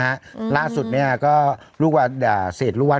ถูกต้องถูกต้องถูกต้องถูกต้องถูกต้องถูกต้อง